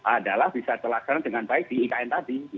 adalah bisa terlaksana dengan baik di ikn tadi